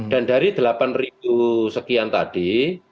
dan dari rp delapan sekian tadi